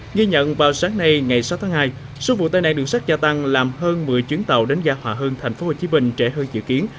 nghe nhận vào sáng nay ngày sáu tháng hai số vụ tai nạn đường sắt gia tăng làm hơn một mươi chuyến tàu đến ga hòa hưng thành phố hồ chí minh trễ hơn dự kiến